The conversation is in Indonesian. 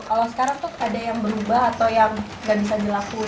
kalau sekarang tuh ada yang berubah atau yang gak bisa dilakuin